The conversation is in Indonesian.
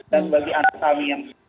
dan bagi anak kami yang